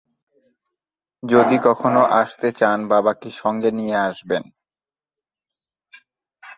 যদি কখনো আসতে চান, বাবাকে সঙ্গে নিয়ে আসবেন।